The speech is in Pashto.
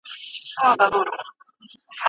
له چا ټوله نړۍ پاته له چا یو قلم پاتیږي